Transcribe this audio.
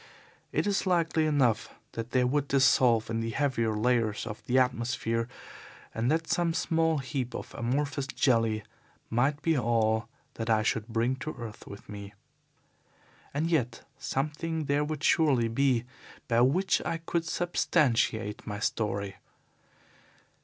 It is likely enough that they would dissolve in the heavier layers of the atmosphere, and that some small heap of amorphous jelly might be all that I should bring to earth with me. And yet something there would surely be by which I could substantiate my story.